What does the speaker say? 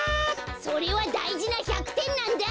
それはだいじな１００てんなんだ！